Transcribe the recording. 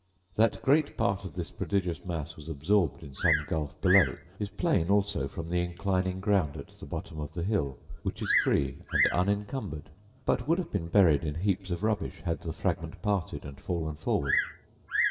That great part of this prodigious mass was absorbed in some gulf below, is plain also from the inclining ground at the bottom of the hill, which is free and unincumbered; but would have been buried in heaps of rubbish, had the fragment parted and fallen forward.